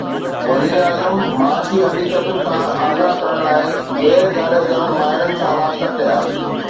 وزيراعظم معاشي حقيقتن کان آگاهه ڪرڻ لاءِ غير جانبدار ماهرن سان رابطا ڪيا